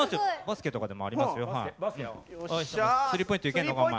スリーポイントいけんのかお前。